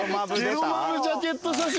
ゲロマブジャケット写真が。